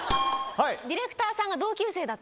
ディレクターさんが同級生だ